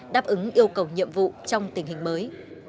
đáp ứng yêu cầu nhiệm vụ trong tình hình mới